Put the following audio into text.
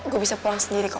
gue bisa pulang sendiri kok